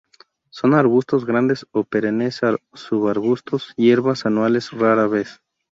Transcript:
Son arbustos grandes o perennes subarbustos, hierbas anuales rara vez.